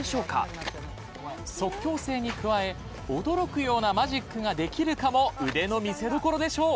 即興性に加え驚くようなマジックができるかも腕の見せどころでしょう。